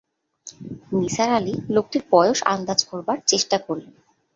নিসার আলি লোকটির বয়স আন্দাজ করবার চেষ্টা করলেন।